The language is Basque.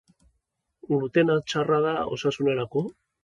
Glutena txarra da osasunerako?